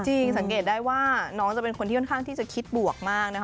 สังเกตได้ว่าน้องจะเป็นคนที่ค่อนข้างที่จะคิดบวกมากนะคะ